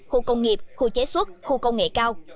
khu công nghiệp khu chế xuất khu công nghệ cao